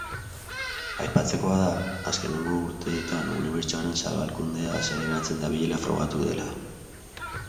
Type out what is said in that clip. Aipatzekoa da, azkeneko urteetan unibertsoaren zabalkundea azeleratzen dabilela frogatu dela.